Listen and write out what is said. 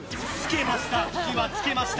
付けました。